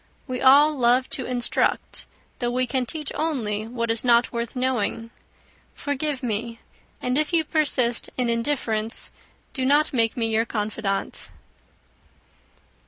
We all love to instruct, though we can teach only what is not worth knowing. Forgive me; and if you persist in indifference, do not make me your confidante."